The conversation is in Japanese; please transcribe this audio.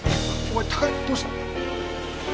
お前高井どうした？